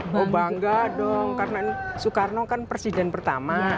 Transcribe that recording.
bangga dong karena soekarno kan presiden pertama